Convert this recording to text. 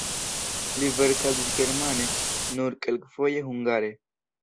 Li verkadis germane, nur kelkfoje hungare.